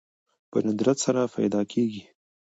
په ندرت سره پيدا کېږي